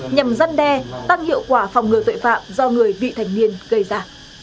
nhằm giăn đe tăng hiệu quả phòng ngừa tội phạm do người vị thành niên gây ra